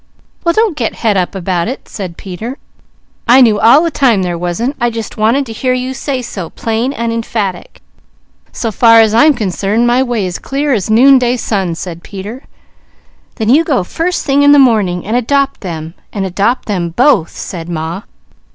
"'Well don't get het up about it,' said Peter. 'I knew all the time there wasn't, I just wanted to hear you say so plain and emphatic. So far as I'm concerned, my way is clear as noonday sun,' said Peter. 'Then you go first thing in the morning and adopt them, and adopt them both,' said Ma.